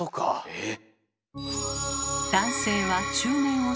えっ。